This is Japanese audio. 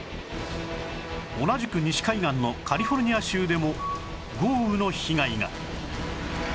同じく西海岸のカリフォルニア州でも豪雨の被害が